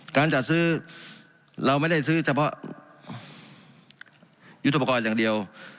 การจัดซื้อเราไม่ได้ซื้อเฉพาะยุทธปกรณ์อย่างเดียว